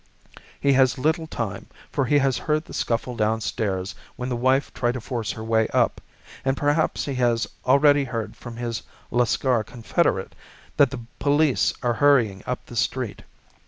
He has little time, for he has heard the scuffle downstairs when the wife tried to force her way up, and perhaps he has already heard from his Lascar confederate that the police are hurrying up the street.